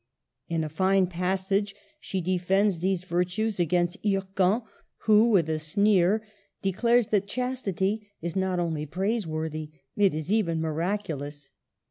In a fine passage she defends these virtues against Hircan, who with a sneer declares that chastity is not only praiseworthy, it is even miraculous.